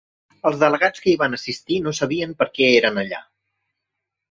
Els delegats que hi van assistir no sabien perquè eren allà.